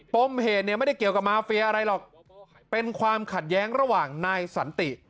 ปมเหตุเนี่ยไม่ได้เกี่ยวกับมาเฟียอะไรหรอกเป็นความขัดแย้งระหว่างนายสันติ